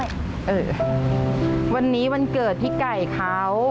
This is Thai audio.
เออวันนี้วันเกิดพี่ไก่เขา